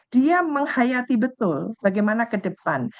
dia menghayati betul bagaimana ke depan